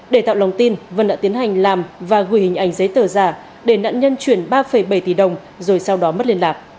để tạo lòng tin vân đã tiến hành làm và gửi hình ảnh giấy tờ giả để nạn nhân chuyển ba bảy tỷ đồng rồi sau đó mất liên lạc